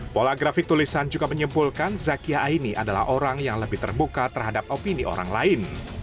pola grafik tulisan juga menyimpulkan zakia aini adalah orang yang lebih terbuka terhadap opini orang lain